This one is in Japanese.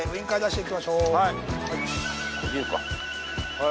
はい。